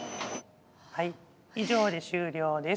はい以上で終了です。